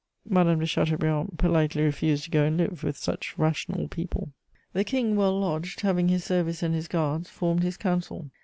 Madame de Chateaubriand politely refused to go and live with such rational people. The King, well lodged, having his service and his guards, formed his council.